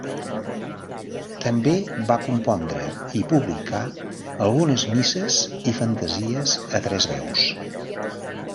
També va compondre i publicà algunes misses i fantasies a tres veus.